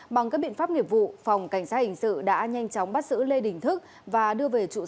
bằng các biện pháp nghiệp vụ phòng cảnh sát hình sự đã nhanh chóng bắt sử lê đình thức và đưa về trụ sở công an huyện lộc hà để điều tra làm rõ